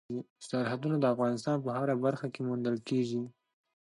سرحدونه د افغانستان په هره برخه کې موندل کېږي.